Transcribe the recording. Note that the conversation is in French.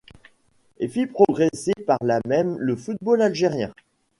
Et fit progresser par la même le football algérien.